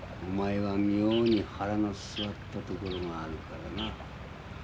お前は妙に腹の据わったところがあるからな。